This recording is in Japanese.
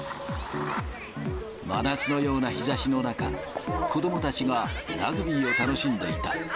真夏のような日ざしの中、子どもたちがラグビーを楽しんでいた。